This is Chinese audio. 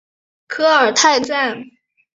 科尔泰站